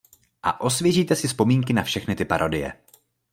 A osvěžíte si vzpomínky na všechny ty parodie.